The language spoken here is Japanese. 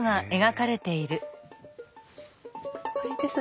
これです。